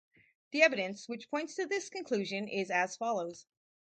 The evidence which points to this conclusion is as follows.